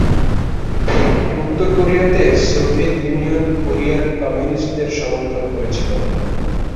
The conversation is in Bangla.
উত্তর কোরিয়াতে, সোভিয়েত ইউনিয়ন কোরিয়ার কমিউনিস্টদের সমর্থন করেছিল।